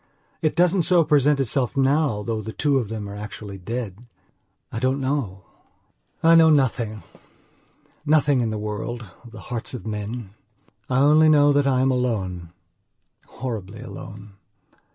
It doesn't so present itself now though the two of them are actually dead. I don't know.... I know nothingnothing in the worldof the hearts of men. I only know that I am alonehorribly alone.